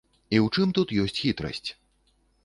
І ў чым тут ёсць хітрасць.